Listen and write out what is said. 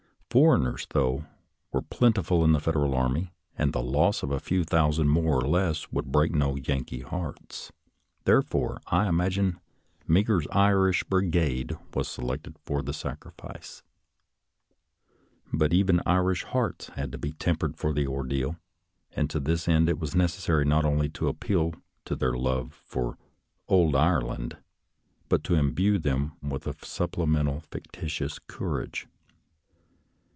Foreigners, though, were plentiful in the Federal army, and the loss of a few thousand more or less would break no Yankee hearts; therefore, I imagine, Meagher's Irish Brigade was selected for the sacrifice. But even Irish hearts had to be tempered for the ordeal, and to this end it was necessary not only to appeal to their love for "ould Ireland," but to imbue them with a supplemental fictitious courage.